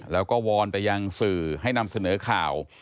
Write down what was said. แล้วก็วอนไปยังสื่อให้นำเสนอข่าว